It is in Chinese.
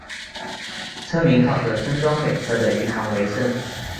村民靠着村庄北侧的鱼塘维生。